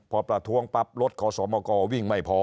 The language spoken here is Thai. พอประท้วงปั๊บรถขอสมกวิ่งไม่พอ